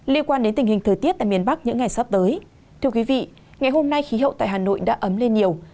liên quan đến tình hình thời tiết tại miền bắc những ngày sắp tới ngày hôm nay khí hậu tại hà nội đã ấm lên nhiều